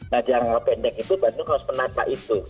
nah jangka pendek itu bandung harus menata itu